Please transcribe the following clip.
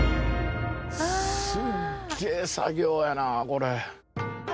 すげえ作業やなこれ。